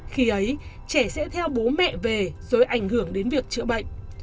khi ấy trẻ sẽ theo bố mẹ về rồi ảnh hưởng đến việc chữa bệnh